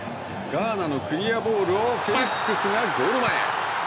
ガーナのクリアボールをフェリックスがゴール前へ。